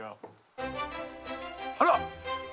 あら。